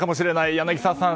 柳澤さん